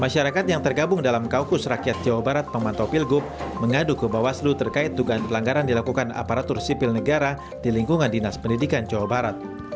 masyarakat yang tergabung dalam kaukus rakyat jawa barat pemantau pilgub mengadu ke bawaslu terkait dugaan pelanggaran dilakukan aparatur sipil negara di lingkungan dinas pendidikan jawa barat